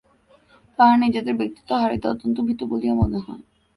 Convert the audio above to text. তাহারা নিজেদের ব্যক্তিত্ব হারাইতে অত্যন্ত ভীত বলিয়া মনে হয়।